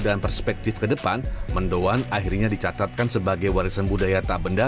dan perspektif ke depan mendoan akhirnya dicatatkan sebagai warisan budaya tak benda